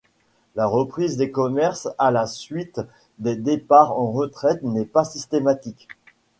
La reprise des commerces à la suite des départs en retraite n'est pas systématique.